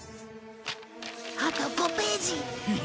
あと５ページ。